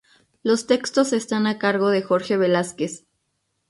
Los textos están a cargo de Jorge Velásquez.